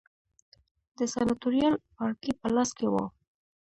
د سناتوریال پاړکي په لاس کې و